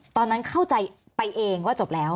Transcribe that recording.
ตอนนั้นเข้าใจไปเองว่าจบแล้ว